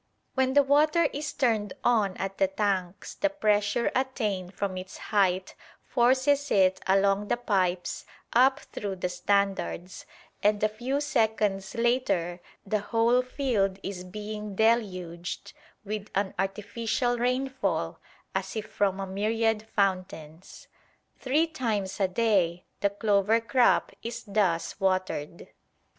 When the water is turned on at the tanks the pressure attained from its height forces it along the pipes up through the standards, and a few seconds later the whole field is being deluged with an artificial rainfall as if from a myriad fountains. Three times a day the clover crop is thus watered.